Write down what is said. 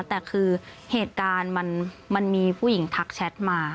แต่คือเหตุการณ์มันมีผู้หญิงทักแชทมา